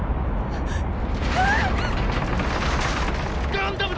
ガンダムだ！